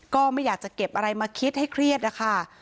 ก็ไม่อยากจะเก็บอะไรมาคิดให้เครียดนะคะ